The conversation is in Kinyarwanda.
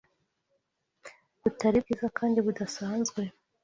butari bwiza kandi budasanzwe